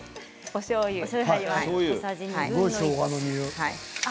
おしょうゆです。